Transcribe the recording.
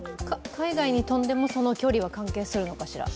海外に飛んでもその距離は関係するのかしら。